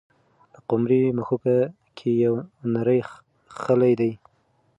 د قمرۍ مښوکه کې یو نری خلی دی.